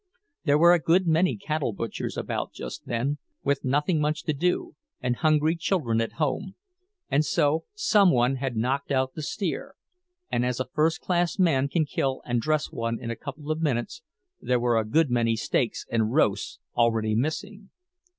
There were a good many cattle butchers about just then, with nothing much to do, and hungry children at home; and so some one had knocked out the steer—and as a first class man can kill and dress one in a couple of minutes, there were a good many steaks and roasts already missing.